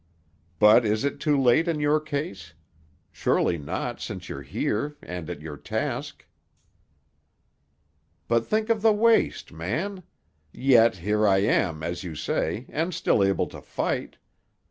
"But is it too late in your case? Surely not, since you're here, and at your task." "But think of the waste, man! Yet, here I am, as you say, and still able to fight.